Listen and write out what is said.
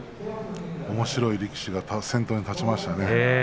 おもしろい力士が先頭に立ちましたね。